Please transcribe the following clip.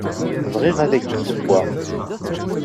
Bɣiɣ ad ak-d-ssewweɣ.